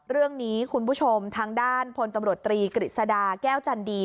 เรื่องนี้คุณผู้ชมทางด้านพลตำรวจตรีกฤษฎาแก้วจันดี